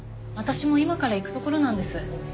私も今から行くところなんです。